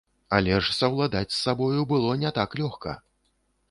Але ж саўладаць з сабою было не так лёгка.